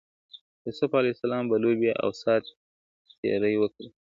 يوسف عليه السلام به لوبي او سات تيری وکړي.